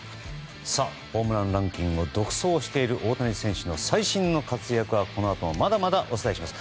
ホームランランキングを独走している大谷選手の最新の活躍はこのあともまだまだお伝えします。